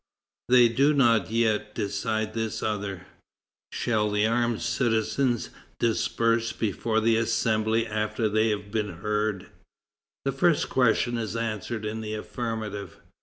They do not yet decide this other: Shall the armed citizens defile before the Assembly after they have been heard? The first question is answered in the affirmative.